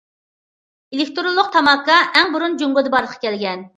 ئېلېكتىرونلۇق تاماكا ئەڭ بۇرۇن جۇڭگودا بارلىققا كەلگەن.